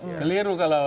geliru kalau bbm subsidi